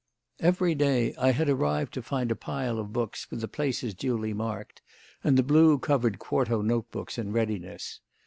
Every day I had arrived to find a pile of books with the places duly marked and the blue covered quarto note books in readiness.